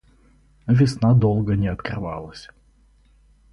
Весна долго не открывалась.